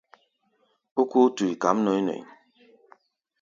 Ókóo túí kam ŋɔ̧i̧-ŋɔ̧i̧.